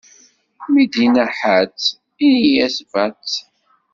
Mi d-inna ḥatt, ini-as batt.